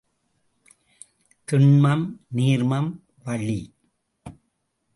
திண்மம், நீர்மம், வளி.